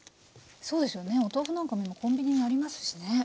そうですよねお豆腐なんかも今コンビニにありますしね。